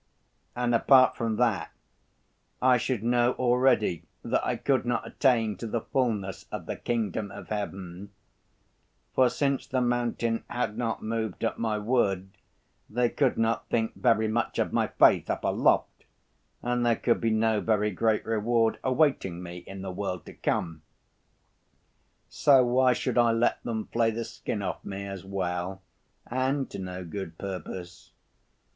And apart from that, I should know already that I could not attain to the fullness of the Kingdom of Heaven (for since the mountain had not moved at my word, they could not think very much of my faith up aloft, and there could be no very great reward awaiting me in the world to come). So why should I let them flay the skin off me as well, and to no good purpose?